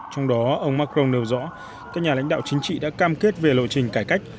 trong đó ông macron nêu rõ các nhà lãnh đạo chính trị đã cam kết về lộ trình cải cách